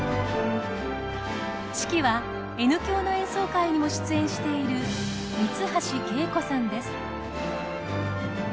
指揮はＮ響の演奏会にも出演している三ツ橋敬子さんです。